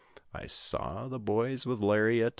I saw the boys with lariat.